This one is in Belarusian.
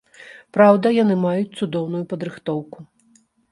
Праўда, яны маюць цудоўную падрыхтоўку.